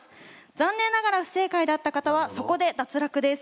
残念ながら不正解だった方はそこで脱落です。